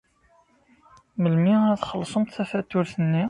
Melmi ara txellṣemt tafatuṛt-nni?